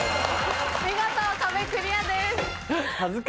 見事壁クリアです。